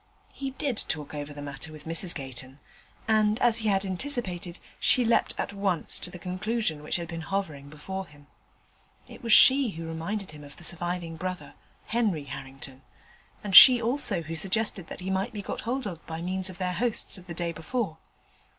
He did talk over the matter with Mrs Gayton, and, as he had anticipated, she leapt at once to the conclusion which had been hovering before him. It was she who reminded him of the surviving brother, Henry Harrington, and she also who suggested that he might be got hold of by means of their hosts of the day before.